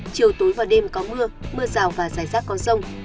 chiều tối và đêm có mưa mưa rào và rải rác có rông